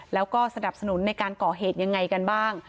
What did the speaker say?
แล้วก็สนับสนุนในการก่อเหตุยังไงกันบ้าง